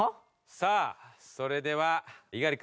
さあそれでは猪狩君。